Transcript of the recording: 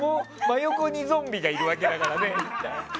真横にゾンビがいるわけだからね。